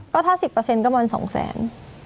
ก็ถ้าสิบเปอร์เซ็นต์ก็มันสองแสน